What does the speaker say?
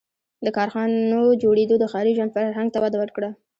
• د کارخانو جوړېدو د ښاري ژوند فرهنګ ته وده ورکړه.